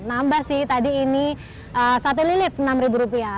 nambah sih tadi ini sate lilit enam ribu rupiah